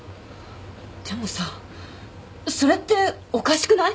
でもさそれっておかしくない？